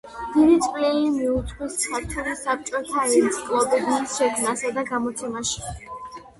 დიდი წვლილი მიუძღვის ქართული საბჭოთა ენციკლოპედიის შექმნასა და გამოცემაში.